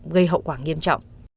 gây hậu quả nghiêm trọng